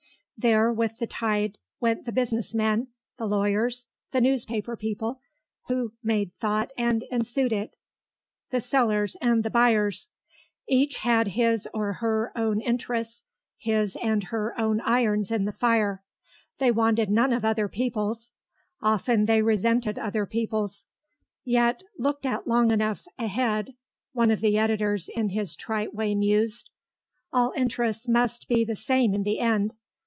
There with the tide went the business men, the lawyers, the newspaper people, who made thought and ensued it, the sellers and the buyers. Each had his and her own interests, his and her own irons in the fire. They wanted none of other people's; often they resented other people's. Yet, looked at long enough ahead (one of the editors in his trite way mused) all interests must be the same in the end.